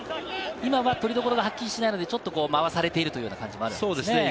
今は取りどころが、はっきりしないので回されているというような感じもあるということですね。